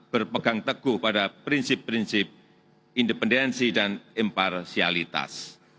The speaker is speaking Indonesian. berpegang teguh pada prinsip prinsip independensi dan imparsialitas